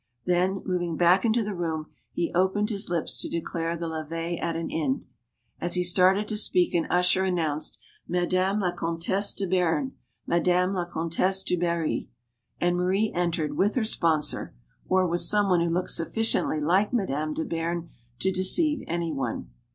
Then, moving back into the room, he opened his lips to declare the levee at an end. As he started to speak, an usher announced: "Madame la Comtesse de Beam! Madame la Com tesse du Barry!" And Marie entered, with her sponsor or with some one who looked sufficiently like Madame de Bearne to deceive any one.